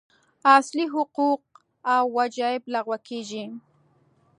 اصلي حقوق او وجایب لغوه کېږي.